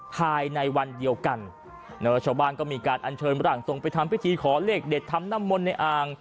ภายในวันเดียวกันชาวบ้านก็มีการอัญเชิญร่างทรงไปทำพิธีขอเลขเด็ดทำน้ำมนต์ในอ่าง